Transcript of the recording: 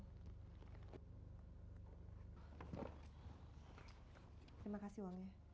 terima kasih wangi